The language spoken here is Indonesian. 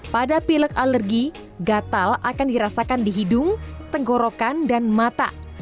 pada pilek alergi gatal akan dirasakan di hidung tenggorokan dan mata